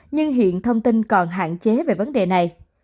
nhưng hiện thông tin còn hạn chế về vấn đề này